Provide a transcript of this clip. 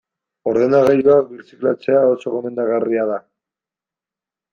Ordenagailuak birziklatzea oso gomendagarria da.